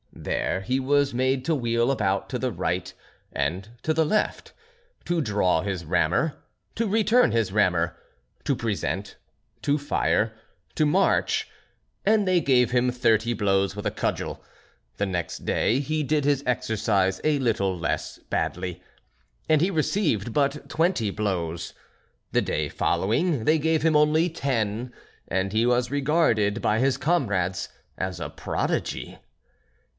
There he was made to wheel about to the right, and to the left, to draw his rammer, to return his rammer, to present, to fire, to march, and they gave him thirty blows with a cudgel. The next day he did his exercise a little less badly, and he received but twenty blows. The day following they gave him only ten, and he was regarded by his comrades as a prodigy.